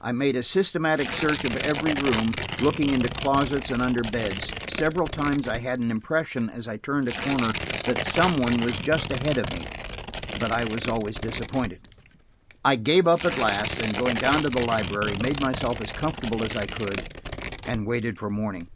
I made a systematic search of every room, looking into closets and under beds. Several times I had an impression, as I turned a corner, that some one was just ahead of me, but I was always disappointed. I gave up at last and, going down to the library, made myself as comfortable as I could, and waited for morning.